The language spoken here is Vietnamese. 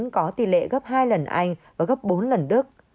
có tỷ lệ gấp hai lần anh và gấp bốn lần đức